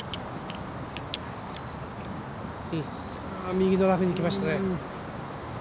右のラフに行きましたね。